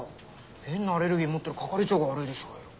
変なアレルギー持ってる係長が悪いでしょうよ。